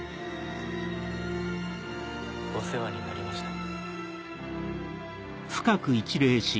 お世話になりました。